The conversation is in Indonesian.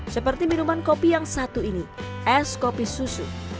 seperti minuman kopi yang satu ini es kopi susu